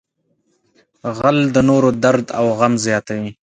غل د نورو درد او غم زیاتوي